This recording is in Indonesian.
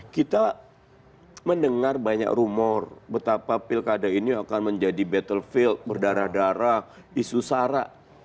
kita mendengar banyak rumor betapa pilkada ini akan menjadi battlefield berdarah darah isu sara